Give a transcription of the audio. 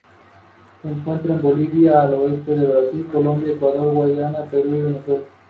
Se destinó en particular los soldados alemanes de confesión luterana.